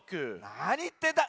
なにいってんだ！